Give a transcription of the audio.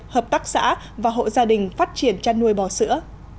hợp tác xã và hộ gia đình phát triển chăn nuôi bò sữa